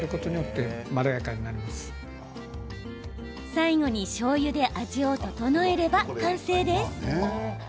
最後にしょうゆで味を調えれば完成です。